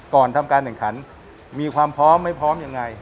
ก่อนทำการแข่งขันมีความพร้อมไม่พร้อมยังไง